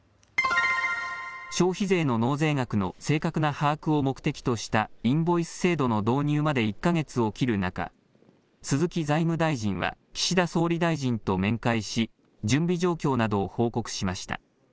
消費税の納税額の正確な把握を目的としたインボイス制度の導入まで１か月を切る中、鈴木財務大臣は岸田総理大臣と面会し準備状況などを報告しました。